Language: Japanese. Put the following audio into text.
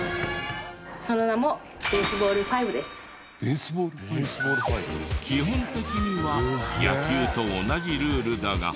その名も基本的には野球と同じルールだが。